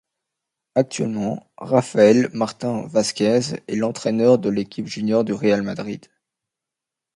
Actuellement, Rafael Martín Vázquez est l'entraîneur de l'équipe junior du Real Madrid.